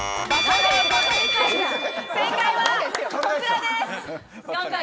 正解はこちらです。